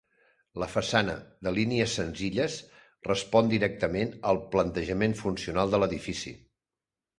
La façana, de línies senzilles, respon directament al plantejament funcional de l'edifici.